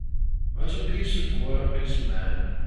[What] a piece of work [is man]